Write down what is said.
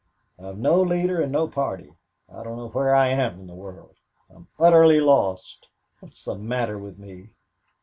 I've no leader and no party. I don't know where I am in the world. I'm utterly lost. What's the matter with me?